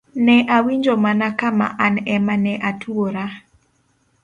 Ne awinjo mana kama an ema ne atwora.